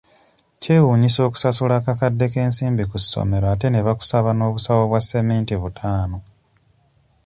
Kyewuunyisa okusasula akakadde k'ensimbi ku ssomero ate ne bakusaba n'obusawo bwa ssementi butaano.